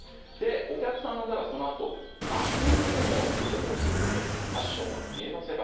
お客さんを呼んだらそのあとのアテンドもすごく重要です。